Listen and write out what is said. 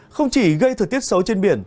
không chỉ gây thời tiết xấu trên biển